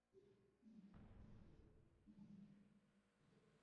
তারা ফৌজদারি বিচার ব্যবস্থায় প্রবেশ করে এই আইনী অনুমান নিয়ে যে তারা কিশোর অপরাধী।